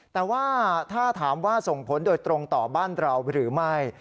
แต่ว่าถ้าถามว่าส่งผลโดยตรงต่อบ้านเราหรือไม่